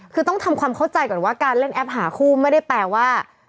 คือต้องทำความเข้าใจก่อนว่าการเล่นแอปหาคู่ไม่ได้แปลว่า